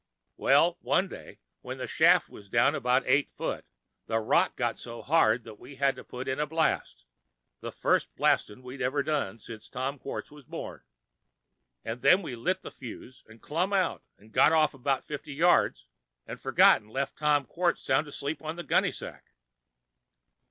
Well, one day when the shaft was down about eight foot, the rock got so hard that we had to put in a blast—the first blast'n' we'd ever done since Tom Quartz was born. An' then we lit the fuse 'n' clumb out 'n' got off 'bout fifty yards—'n' forgot 'n' left Tom Quartz sound asleep on the gunny sack.